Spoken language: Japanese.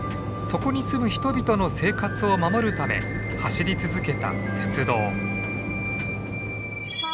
そこに住む人々の生活を守るため走り続けた鉄道。